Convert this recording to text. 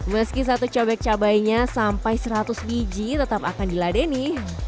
meski satu cobek cabainya sampai seratus biji tetap akan diladeni